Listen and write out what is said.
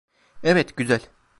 Evet, güzel.